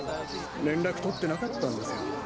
連絡取ってなかったんですよ。